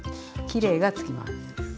「きれい」がつきます。